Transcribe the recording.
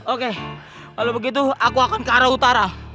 oke kalau begitu aku akan ke arah utara